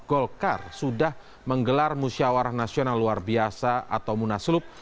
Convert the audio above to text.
golkar sudah menggelar musyawarah nasional luar biasa atau munaslup